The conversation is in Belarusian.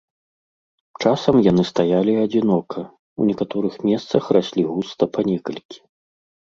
Часам яны стаялі адзінока, у некаторых месцах раслі густа па некалькі.